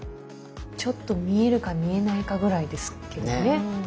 ちょっと見えるか見えないかぐらいですけどね。